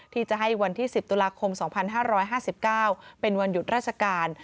ที่จะให้วันที่๑๐ตุลาคม๒๕๕๙เป็นวันหยุดราชการ